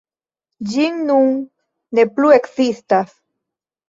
Ĝi nun ne plu ekzistas.